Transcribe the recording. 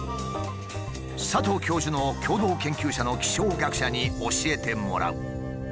佐藤教授の共同研究者の気象学者に教えてもらう。